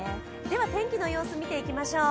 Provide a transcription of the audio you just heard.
天気の様子を見ていきましょう。